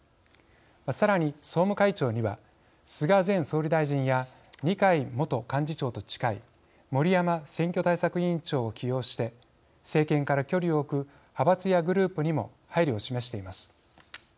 さらに、総務会長には菅前総理大臣や二階元幹事長と近い森山選挙対策委員長を起用して政権から距離を置く派閥やグループにも配慮を示しています。